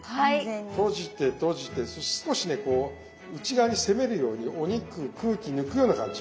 閉じて閉じて少しねこう内側に攻めるようにお肉空気抜くような感じ。